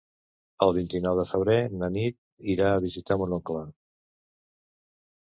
El vint-i-nou de febrer na Nit irà a visitar mon oncle.